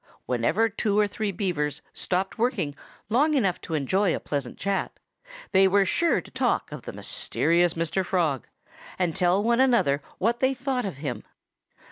Whenever two or three Beavers stopped working long enough to enjoy a pleasant chat, they were sure to talk of the mysterious Mr. Frog and tell one another what they thought of him.